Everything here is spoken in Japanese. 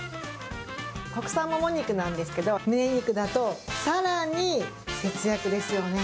国産もも肉なんですけど、むね肉だと、さらに節約ですよね。